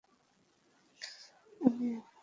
আমি এখনই তোমাকে অপছন্দ করে ফেললাম।